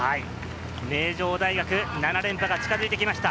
名城大学、７連覇が近づいてきました。